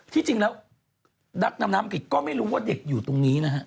ที่จริงแล้วนักดำน้ำอังกฤษก็ไม่รู้ว่าเด็กอยู่ตรงนี้นะฮะ